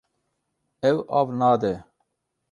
Ew av nade.